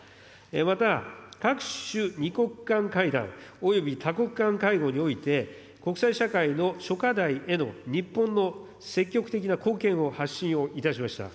また各種２国間会談、および多国間会合において、国際社会の諸課題への日本の積極的な貢献の発信をいたしました。